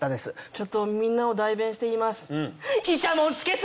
ちょっとみんなを代弁して言います。